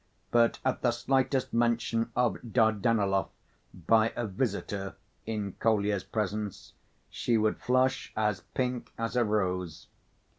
But at the slightest mention of Dardanelov by a visitor in Kolya's presence, she would flush as pink as a rose.